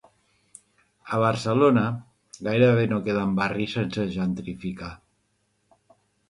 A Barcelona, gairebé no queden barris sense gentrificar.